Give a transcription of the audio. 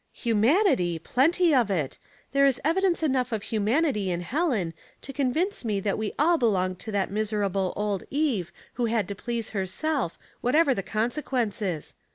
" Humanity ! plenty of it. There is evidence enough of humanity in Helen to convince me that we all belong to that miserable old Eve who had to please herself, whatever the conse quences.